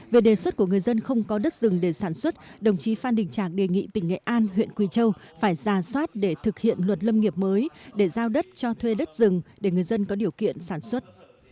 về đề xuất của người dân không có đất rừng để sản xuất đồng chí phan đình trạc đề nghị tỉnh nghệ an huyện quỳ châu phải ra soát để thực hiện luật lâm nghiệp mới để giao đất cho thuê đất rừng để người dân có điều kiện sản xuất